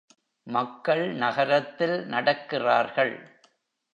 மக்கள் நகரத்தில் நடக்கிறார்கள்.